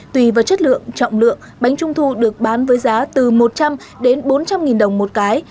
tùy vào chất lượng trọng lượng bánh trung thu được bán với giá từ một trăm linh đến bốn trăm linh nghìn đồng một cái